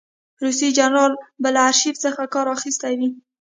روسي جنرال به له آرشیف څخه کار اخیستی وي.